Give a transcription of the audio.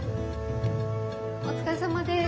お疲れさまです。